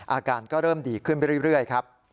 อาการก็เริ่มดีขึ้นไปเรื่อยครับ